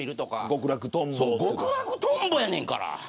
極楽とんぼやねんから。